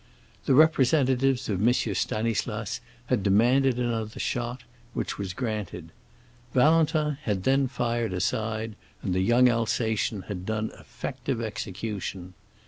The representatives of M. Stanislas had demanded another shot, which was granted. Valentin had then fired aside and the young Alsatian had done effective execution.